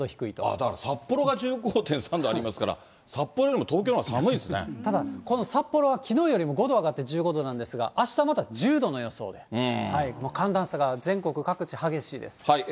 だから札幌が１５．３度ありますから、札幌よりも東京のほうただ、この札幌はきのうよりも５度上がって、１５度なんですが、あしたまた１０度の予想で、寒暖差が全国各地、激しいです。